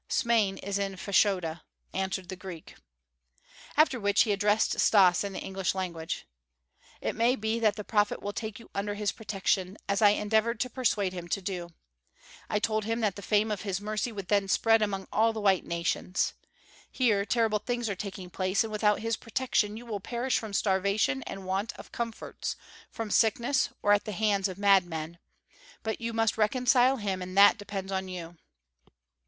"Smain is in Fashoda," answered the Greek. After which he addressed Stas in the English language. "It may be that the prophet will take you under his protection as I endeavored to persuade him to do. I told him that the fame of his mercy would then spread among all the white nations. Here terrible things are taking place and without his protection you will perish from starvation and want of comforts, from sickness or at the hands of madmen. But you must reconcile him and that depends upon you."